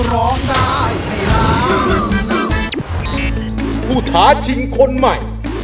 ร้องได้ให้ล้าน